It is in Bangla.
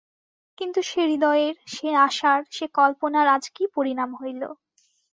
কিন্তু সে হৃদয়ের, সে আশার, সে কল্পনার আজ কী পরিণাম হইল।